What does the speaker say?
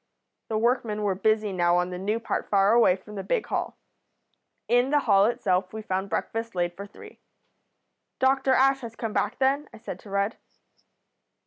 The workmen were busy now on the new part far away from the big hall. In the hall itself we found breakfast laid for three. "'Dr Ash has come back then?' I said to Rudd.